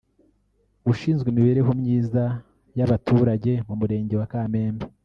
ushinzwe imibereho myiza y’abaturage mu murenge wa Kamembe